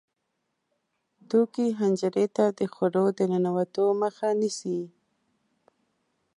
توکې حنجرې ته د خوړو د ننوتو مخه نیسي.